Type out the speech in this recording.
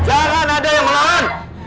jangan ada yang melawan